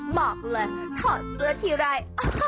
บอกเลยถอดเสื้อทีไร